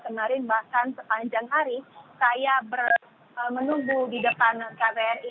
kemarin bahkan sepanjang hari saya menunggu di depan kbri